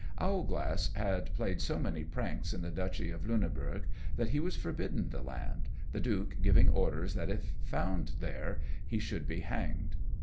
_ Owlglass had played so many pranks in the Duchy of Luneburgh that he was forbidden the land, the Duke giving orders that if found there he should be hanged.